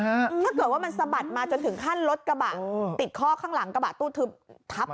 ถ้าเกิดว่ามันสะบัดมาจนถึงขั้นรถกระบะติดข้อข้างหลังกระบะตู้ทึบทับ